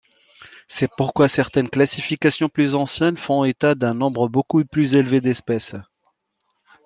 C'est pourquoi certaines classifications plus anciennes font état d'un nombre beaucoup plus élevé d'espèces.